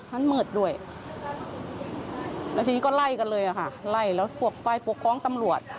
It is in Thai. แล้วทีนี้ก็ไล่กันเลยค่ะไล่แล้วพวกฝ่ายปกครองตำรวจ